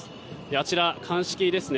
あちら、鑑識ですね。